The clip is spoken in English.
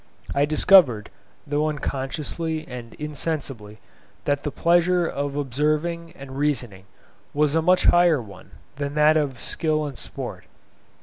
I discovered, though unconsciously and insensibly, that the pleasure of observing and reasoning was a much higher one than that of skill and sport.